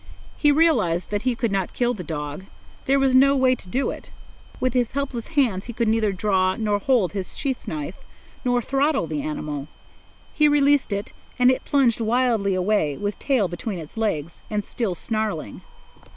He realized that he could not kill the dog. There was no way to do it. With his helpless hands he could neither draw nor hold his sheath knife nor throttle the animal. He released it, and it plunged wildly away, with tail between its legs, and still snarling.